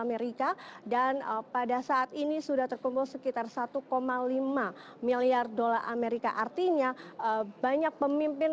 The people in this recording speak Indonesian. amerika dan pada saat ini sudah terkumpul sekitar satu lima miliar dolar amerika artinya banyak pemimpin